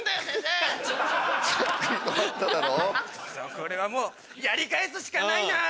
これはもうやり返すしかないなぁ！